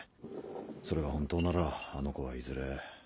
それが本当ならあの子はいずれ。